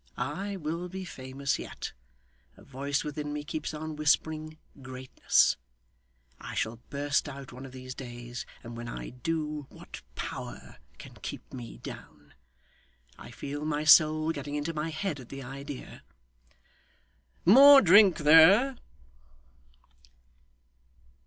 I will be famous yet. A voice within me keeps on whispering Greatness. I shall burst out one of these days, and when I do, what power can keep me down? I feel my soul getting into my head at the idea. More drink there!